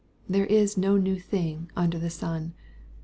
"There is no new thing under the sun."